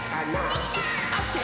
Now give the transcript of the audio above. できたー！